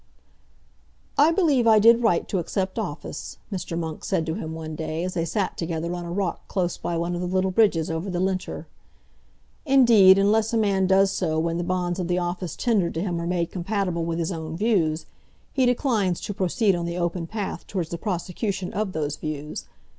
"I believe I did right to accept office," Mr. Monk said to him one day, as they sat together on a rock close by one of the little bridges over the Linter. "Indeed, unless a man does so when the bonds of the office tendered to him are made compatible with his own views, he declines to proceed on the open path towards the prosecution of those views.